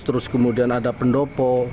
terus kemudian ada pendopo